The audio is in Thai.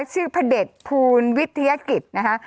ชื่อพระเด็จพูลวิทยากิจนะฮะ